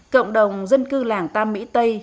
cộng đồng dân cư làng tam mỹ tây